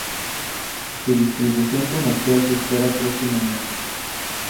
Su distribución comercial se espera próximamente.